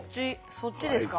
そっちですか。